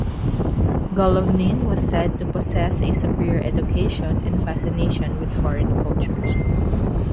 Golovnin was said to possess a superior education and fascination with foreign cultures.